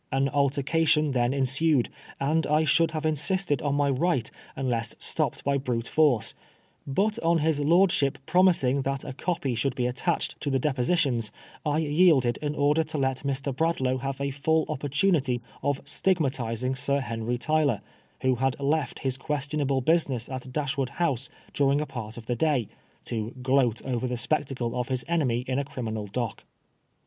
An altercation then ensued, and I should have insisted on my right unless stopped by brute force ; but on his lordship promising that a copy should be attached to the depositions, I yielded in order to let Mr. Bradlaugh have a full opportunity of stigmatising Sir Henry Tyler, who had left his ques tionable business at Dashwood House during a part of the day, to gloat over the spectacle of his enemy in a criminal dock.